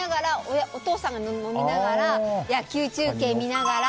お父さんが飲みながら野球中継見ながら。